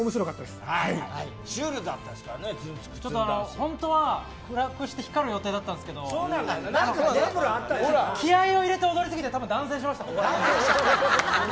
本当は暗くして光る予定だったんですけど気合を入れて踊り過ぎて断線しました。